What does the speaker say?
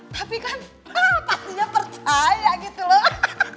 tapi kan pastinya percaya gitu loh